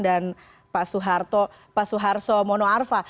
dan pak suharto pak suharto mono arfa